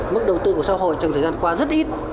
mức đầu tư của xã hội trong thời gian qua rất ít